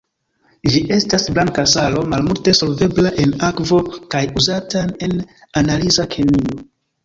Ĝi estas blanka salo, malmulte solvebla en akvo kaj uzata en analiza kemio.